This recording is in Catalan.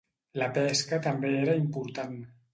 La pesca també era important.